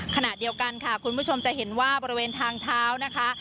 ขณะเดียวกันค่ะคุณผู้ชมจะเห็นว่าบริเวณทางเท้านะคะ